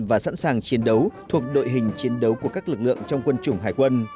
và sẵn sàng chiến đấu thuộc đội hình chiến đấu của các lực lượng trong quân chủng hải quân